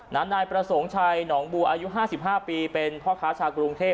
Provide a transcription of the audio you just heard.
นายประสงค์ชัยหนองบัวอายุ๕๕ปีเป็นพ่อค้าชาวกรุงเทพ